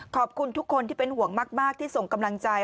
ขอบคุณทุกคนที่เป็นห่วงมากที่ส่งกำลังใจ